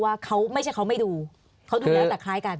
ว่าเขาไม่ใช่เขาไม่ดูเขาดูแล้วแต่คล้ายกัน